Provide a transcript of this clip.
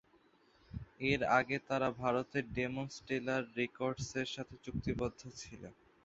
এর আগে তারা ভারতের ডেমন স্টিলার রেকর্ডসের সাথে চুক্তিবদ্ধ ছিল।